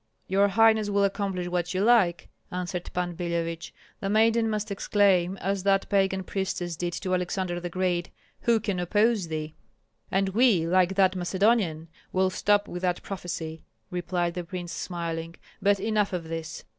"Your highness will accomplish what you like," answered Pan Billevich. "The maiden must exclaim, as that pagan priestess did to Alexander the Great, 'Who can oppose thee?'" "And we, like that Macedonian, will stop with that prophecy," replied the prince, smiling. "But enough of this!